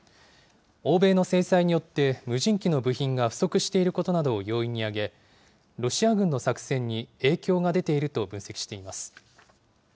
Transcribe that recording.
欧米の制裁によって無人機の部品が不足していることなどを要因に挙げ、ロシア軍の作戦に影響が出ていると分析しています。